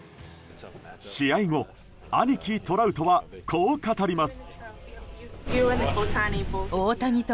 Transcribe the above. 試合後、兄貴トラウトはこう語ります。